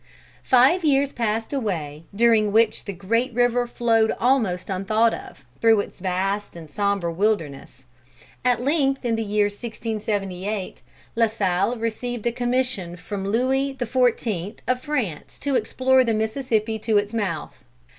Five years passed away, during which the great river flowed almost unthought of, through its vast and sombre wilderness. At length in the year 1678, La Salle received a commission from Louis the XIV. of France to explore the Mississippi to its mouth.